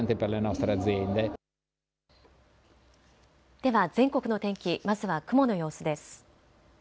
では全国の天気、まずは雲の様子です。